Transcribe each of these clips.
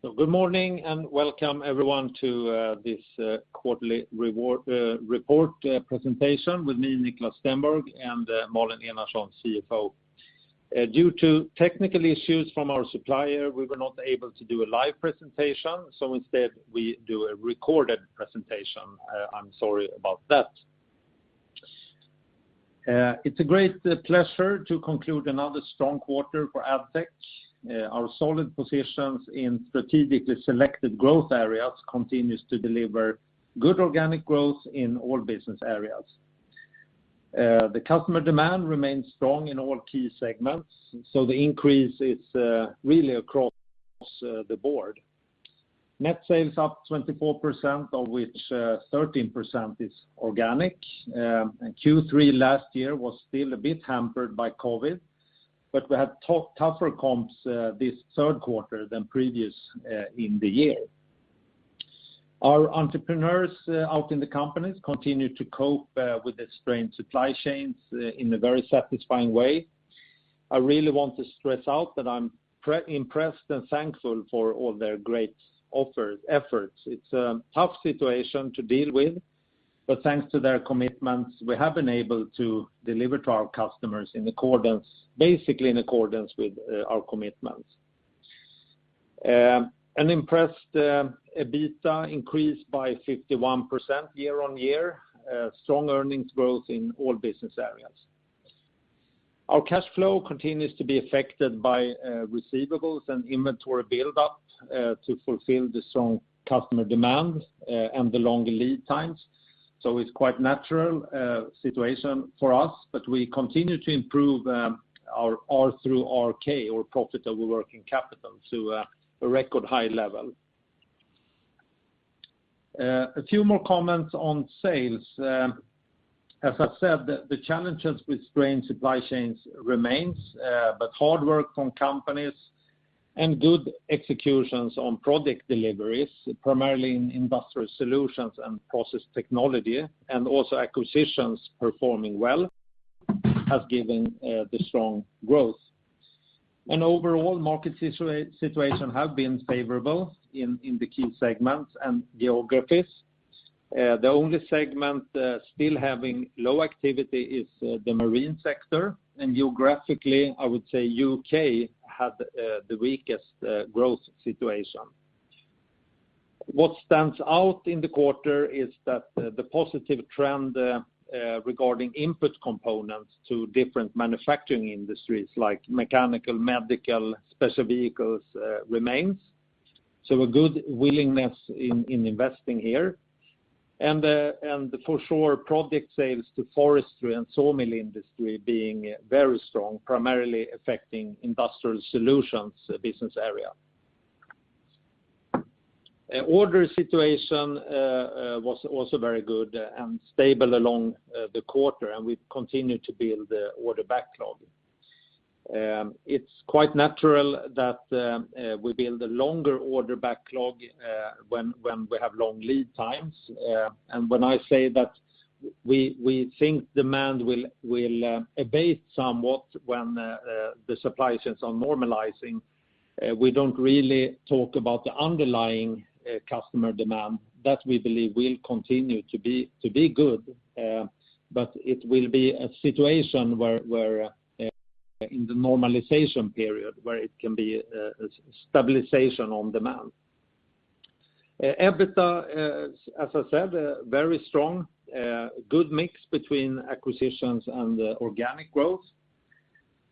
Good morning and welcome everyone to this quarterly report presentation with me, Niklas Stenberg, and Malin Enarson, CFO. Due to technical issues from our supplier, we were not able to do a live presentation, so instead we do a recorded presentation. I'm sorry about that. It's a great pleasure to conclude another strong quarter for Addtech. Our solid positions in strategically selected growth areas continues to deliver good organic growth in all business areas. The customer demand remains strong in all key segments, so the increase is really across the board. Net sales up 24%, of which 13% is organic. Q3 last year was still a bit hampered by COVID, but we had tougher comps this third quarter than previous in the year. Our entrepreneurs out in the companies continue to cope with the strained supply chains in a very satisfying way. I really want to stress that I'm impressed and thankful for all their great efforts. It's a tough situation to deal with, but thanks to their commitments, we have been able to deliver to our customers in accordance, basically in accordance with our commitments. Impressive EBITDA increased by 51% year-over-year. Strong earnings growth in all business areas. Our cash flow continues to be affected by receivables and inventory buildup to fulfill the strong cust omer demand and the longer lead times. It's quite natural situation for us, but we continue to improve our ROPWC, our profitable working capital, to a record high level. A few more comments on sales. As I said, the challenges with strained supply chains remains, but hard work from companies and good executions on product deliveries, primarily in Industrial Solutions and Process Technology, and also acquisitions performing well, have given the strong growth. Overall, market situation have been favorable in the key segments and geographies. The only segment still having low activity is the marine sector. Geographically, I would say U.K. had the weakest growth situation. What stands out in the quarter is that the positive trend regarding input components to different manufacturing industries like mechanical, medical, special vehicles remains. So a good willingness in investing here. For sure, project sales to forestry and sawmill industry being very strong, primarily affecting Industrial Solutions business area. Order situation was also very good and stable throughout the quarter, and we continue to build order backlog. It's quite natural that we build a longer order backlog when we have long lead times. When I say that we think demand will abate somewhat when the supply chains are normalizing, we don't really talk about the underlying customer demand. That, we believe, will continue to be good, but it will be a situation where in the normalization period, where it can be a stabilization of demand. EBITDA, as I said, very strong. Good mix between acquisitions and organic growth.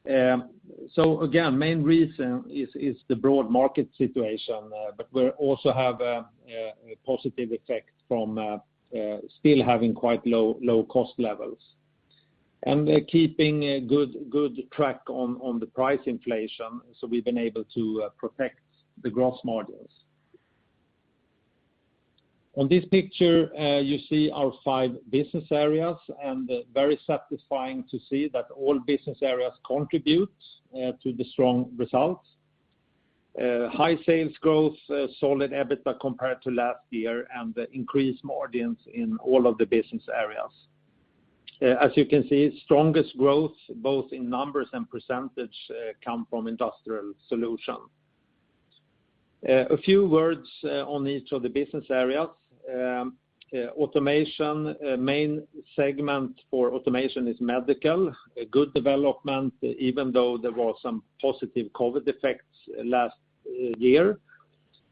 Again, main reason is the broad market situation, but we also have a positive effect from still having quite low cost levels. Keeping a good track on the price inflation, so we've been able to protect the gross margins. On this picture, you see our five business areas, and very satisfying to see that all business areas contribute to the strong results. High sales growth, solid EBITDA compared to last year, and increased margins in all of the business areas. As you can see, strongest growth, both in numbers and percentage, come from Industrial Solutions. A few words on each of the business areas. Automation, main segment for Automation is medical. A good development, even though there was some positive COVID effects last year.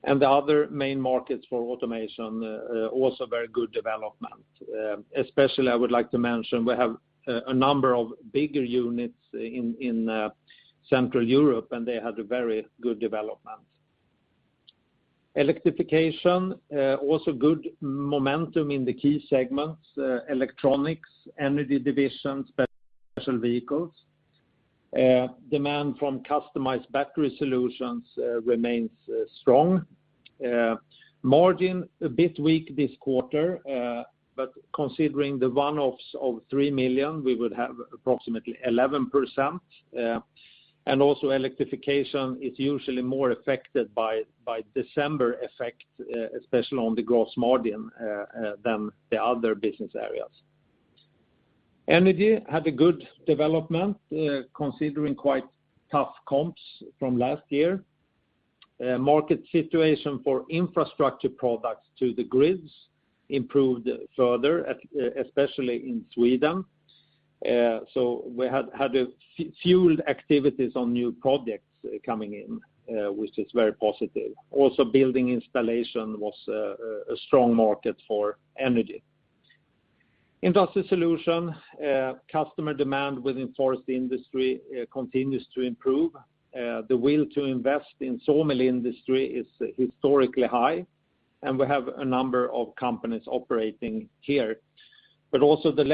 The other main markets for Automation also very good development. Especially I would like to mention we have a number of bigger units in Central Europe, and they had a very good development. Electrification also good momentum in the key segments, electronics, energy divisions, special vehicles. Demand from customized battery solutions remains strong. Margin a bit weak this quarter, but considering the one-offs of 3 million, we would have approximately 11%, and also electrification is usually more affected by December effect, especially on the gross margin, than the other business areas. Energy had a good development, considering quite tough comps from last year. Market situation for infrastructure products to the grids improved further, especially in Sweden. We had a few activities on new projects coming in, which is very positive. Also, building installation was a strong market for Energy. Industrial Solutions, customer demand within forest industry continues to improve. The will to invest in sawmill industry is historically high, and we have a number of companies operating here. Also the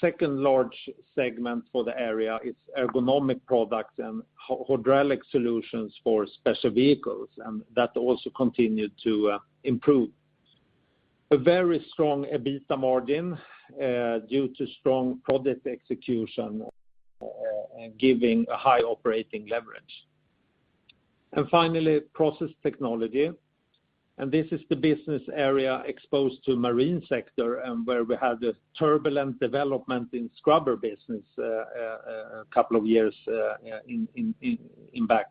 second large segment for the area is ergonomic products and hydraulic solutions for special vehicles, and that also continued to improve. A very strong EBITDA margin due to strong project execution, giving a high operating leverage. Finally, Process Technology. This is the business area exposed to marine sector and where we had a turbulent development in scrubber business a couple of years back.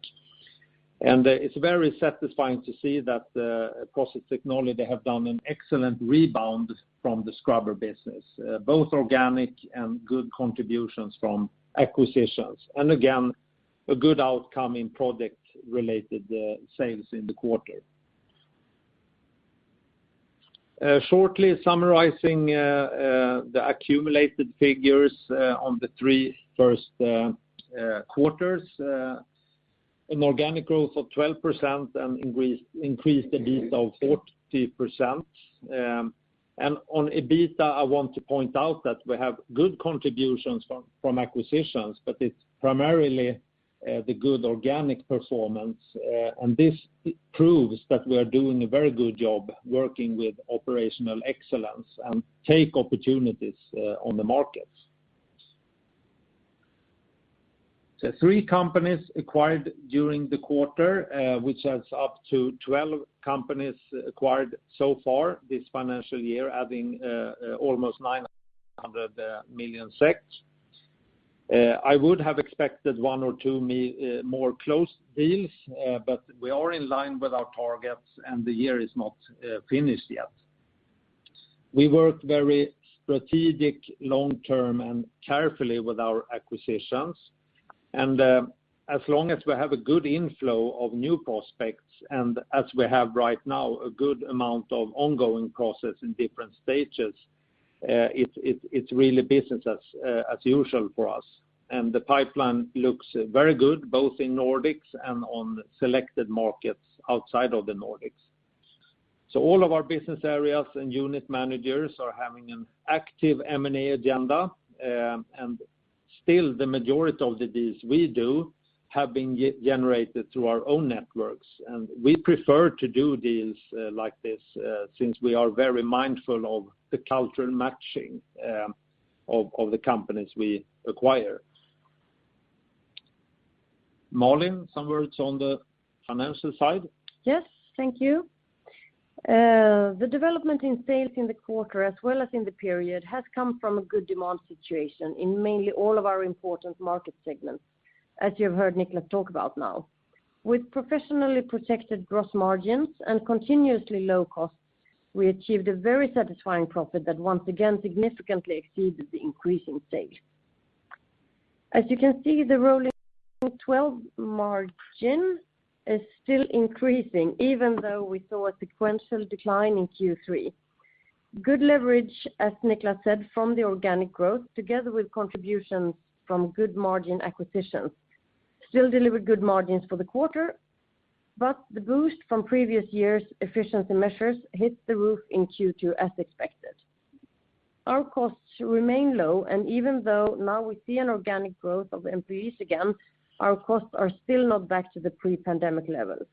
It's very satisfying to see that Process Technology have done an excellent rebound from the scrubber business, both organic and good contributions from acquisitions. Again, a good outcome in product-related sales in the quarter. Shortly summarizing the accumulated figures on the three first quarters, an organic growth of 12% and increased EBITDA of 40%, and on EBITDA, I want to point out that we have good contributions from acquisitions, but it's primarily the good organic performance, and this proves that we are doing a very good job working with operational excellence and take opportunities on the markets. Three companies acquired during the quarter, which adds up to 12 companies acquired so far this financial year, adding almost 900 million. I would have expected one or two more closed deals, but we are in line with our targets, and the year is not finished yet. We work very strategic long term and carefully with our acquisitions. As long as we have a good inflow of new prospects, and as we have right now, a good amount of ongoing process in different stages, it's really business as usual for us. The pipeline looks very good, both in Nordics and on selected markets outside of the Nordics. All of our business areas and unit managers are having an active M&A agenda, and still the majority of the deals we do have been generated through our own networks. We prefer to do deals like this since we are very mindful of the cultural matching of the companies we acquire. Malin, some words on the financial side? Yes. Thank you. The development in sales in the quarter as well as in the period has come from a good demand situation in mainly all of our important market segments, as you have heard Niklas talk about now. With profitably protected gross margins and continuously low costs, we achieved a very satisfying profit that once again significantly exceeded the increase in sales. As you can see, the rolling 12 margin is still increasing, even though we saw a sequential decline in Q3. Good leverage, as Niklas said, from the organic growth, together with contributions from good margin acquisitions, still delivered good margins for the quarter, but the boost from previous years' efficiency measures hit the roof in Q2 as expected. Our costs remain low, and even though now we see an organic growth of employees again, our costs are still not back to the pre-pandemic levels.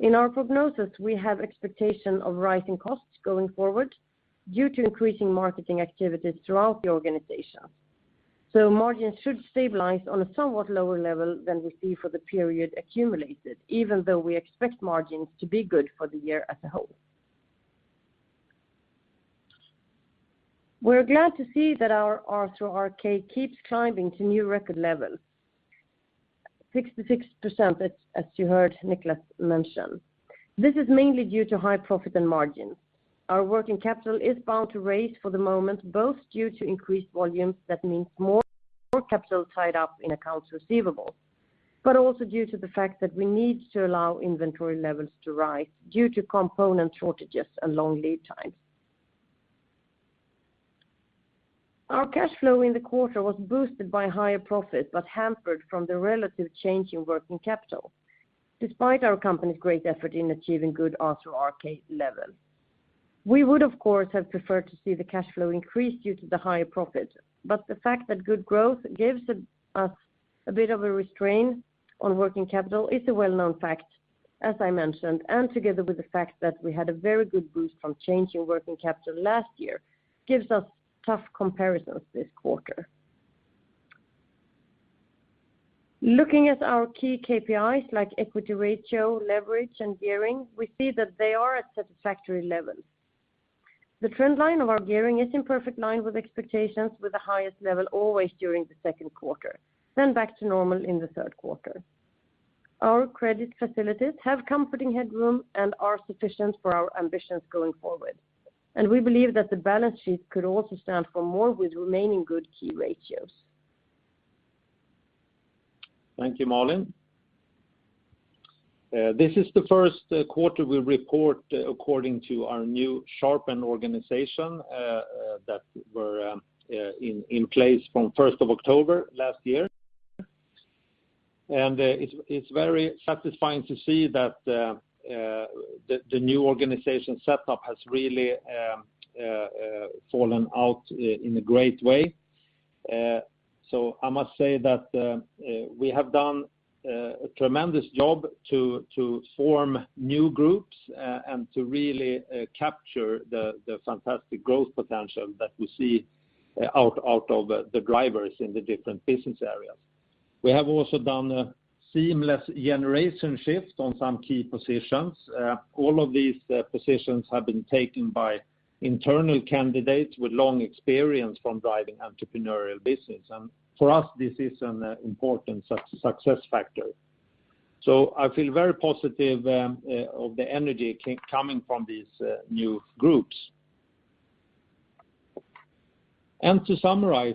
In our prognosis, we have expectation of rising costs going forward due to increasing marketing activities throughout the organization. Margins should stabilize on a somewhat lower level than we see for the period accumulated, even though we expect margins to be good for the year as a whole. We're glad to see that our ROIC keeps climbing to new record levels, 66% as you heard Niklas mention. This is mainly due to high profit and margins. Our working capital is bound to rise for the moment, both due to increased volumes, that means more capital tied up in accounts receivable, but also due to the fact that we need to allow inventory levels to rise due to component shortages and long lead times. Our cash flow in the quarter was boosted by higher profits, but hampered by the relative change in working capital, despite our company's great effort in achieving good ROPWC level. We would, of course, have preferred to see the cash flow increase due to the higher profit, but the fact that good growth gives us a bit of a restraint on working capital is a well-known fact, as I mentioned, and together with the fact that we had a very good boost from change in working capital last year, gives us tough comparisons this quarter. Looking at our key KPIs like equity ratio, leverage, and gearing, we see that they are at satisfactory levels. The trend line of our gearing is in perfect line with expectations with the highest level always during the second quarter, then back to normal in the third quarter. Our credit facilities have comforting headroom and are sufficient for our ambitions going forward. We believe that the balance sheet could also stand for more with remaining good key ratios. Thank you, Malin. This is the first quarter we report according to our new sharpened organization that was in place from first of October last year. It's very satisfying to see that the new organization setup has really fallen into a great way. I must say that we have done a tremendous job to form new groups and to really capture the fantastic growth potential that we see out of the drivers in the different business areas. We have also done a seamless generation shift on some key positions. All of these positions have been taken by internal candidates with long experience from driving entrepreneurial business. For us, this is an important success factor. I feel very positive of the energy coming from these new groups. To summarize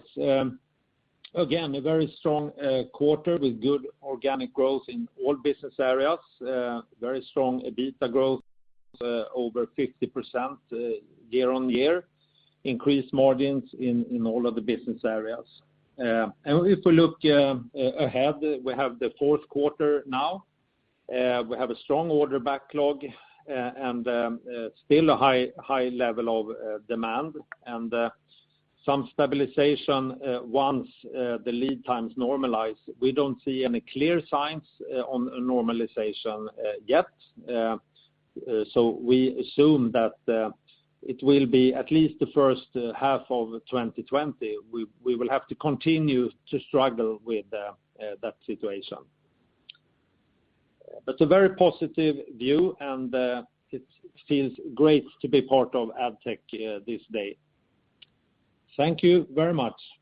again, a very strong quarter with good organic growth in all business areas, very strong EBITDA growth over 50% year-on-year, increased margins in all of the business areas. If we look ahead, we have the fourth quarter now. We have a strong order backlog and still a high level of demand and some stabilization once the lead times normalize. We don't see any clear signs on a normalization yet. We assume that it will be at least the first half of 2020, we will have to continue to struggle with that situation. A very positive view, and it feels great to be part of Addtech this day. Thank you very much.